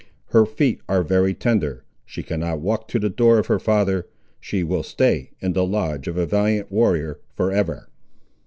Her feet are very tender. She cannot walk to the door of her father; she will stay, in the lodge of a valiant warrior for ever."